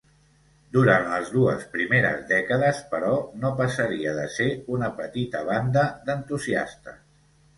Durant les dues primeres dècades, però, no passaria de ser una petita banda d'entusiastes.